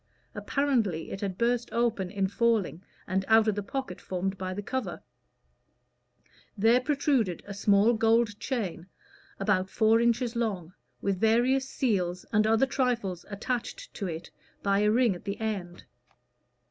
Apparently it had burst open in falling, and out of the pocket formed by the cover, there protruded a small gold chain about four inches long, with various seals and other trifles attached to it by a ring at the end.